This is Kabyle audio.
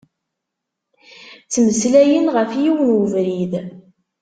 Ttmeslayen ɣef yiwen n ubrid.